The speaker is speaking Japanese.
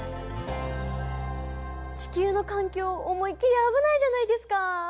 地球の環境思いっきり危ないじゃないですか！